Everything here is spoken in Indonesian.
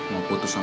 mau putus sama kamu